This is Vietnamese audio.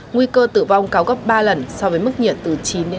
nguy cơ tử vong cao gấp ba lần so với mức nhiệt từ chín đến hai mươi hai độ c